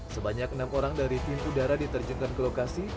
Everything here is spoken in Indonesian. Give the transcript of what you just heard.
sebanyak enam orang dari pintu udara diterjunkan ke lokasi